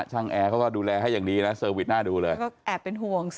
หรือ